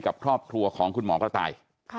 กับครอบครัวของคุณหมอกระต่าย